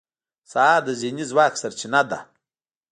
سهار د ذهني ځواک سرچینه ده.